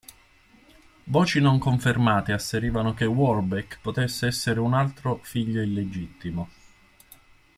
Voci non confermate asserivano che Warbeck potesse essere un altro figlio illegittimo.